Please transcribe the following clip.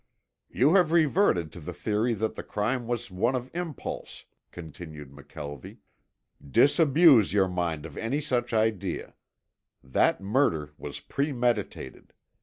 "You have reverted to the theory that the crime was one of impulse," continued McKelvie. "Disabuse your mind of any such idea. That murder was premeditated.